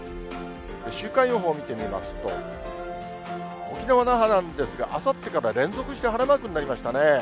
週間予報を見てみますと、沖縄・那覇なんですが、あさってから連続して晴れマークになりましたね。